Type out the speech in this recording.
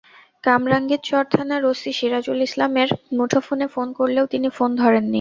কামরাঙ্গীরচর থানার ওসি সিরাজুল ইসলামের মুঠোফোনে ফোন করলেও তিনি ফোন ধরেননি।